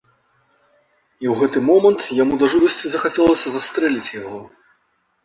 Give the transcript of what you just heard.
І ў гэты момант яму да жудасці захацелася застрэліць яго.